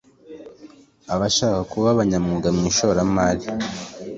abashaka kuba abanyamwuga mu ishoramari